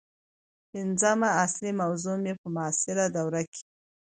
پنځمه اصلي موضوع مې په معاصره دوره کې